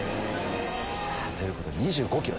さぁということで２５ｋｇです。